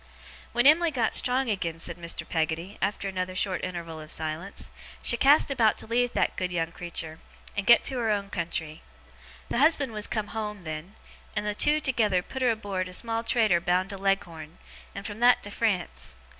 'When Em'ly got strong again,' said Mr. Peggotty, after another short interval of silence, 'she cast about to leave that good young creetur, and get to her own country. The husband was come home, then; and the two together put her aboard a small trader bound to Leghorn, and from that to France.